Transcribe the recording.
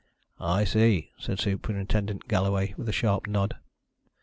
"I see," said Superintendent Galloway, with a sharp nod.